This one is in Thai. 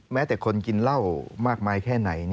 แม้แต่คนกินเหล้ามากมายแค่ไหน